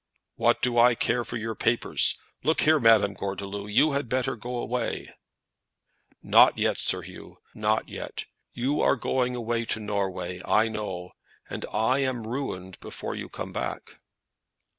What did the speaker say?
"What do I care for your papers? Look here, Madame Gordeloup, you had better go away." "Not yet, Sir 'Oo; not yet. You are going away to Norway I know; and I am ruined before you come back."